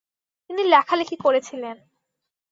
তিনি লেখালেখি করেছিলেন।